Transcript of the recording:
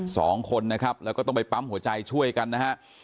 สองคนนะครับแล้วก็ต้องไปปั๊มหัวใจช่วยกันนะฮะ